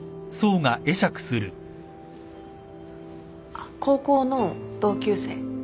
あっ高校の同級生。